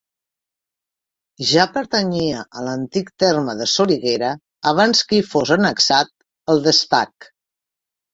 Ja pertanyia a l'antic terme de Soriguera abans que hi fos annexat el d'Estac.